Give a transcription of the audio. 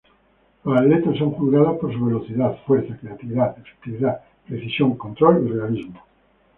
Los atletas son juzgados por su velocidad, fuerza, creatividad, efectividad, precisión, control y realismo.